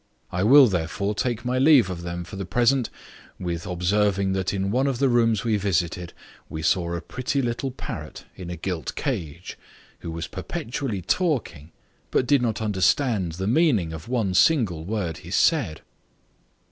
I will, therefore, take my leave of them for the present, with observing that in one of the rooms we visited, we saw a pretty little parrot, in a gilt cage, who was perpetually talking, but did not understand the meaning of one single word he said.